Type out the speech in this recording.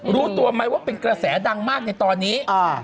รู้ตัวไหมว่าเป็นกระแสดังมากในตอนนี้